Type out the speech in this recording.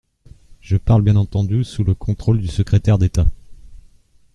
Je parle bien entendu sous le contrôle du secrétaire d’État.